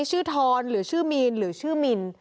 ทอนหรือชื่อมีนหรือชื่อมิน